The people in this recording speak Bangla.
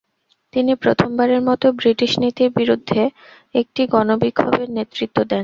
তিনি প্রথমবারের মত ব্রিটিশ নীতির বিরুদ্ধে একটি গণবিক্ষোভের নেতৃত্ব দেন।